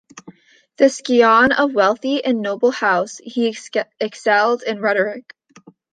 The scion of a wealthy and noble house, he excelled in rhetoric.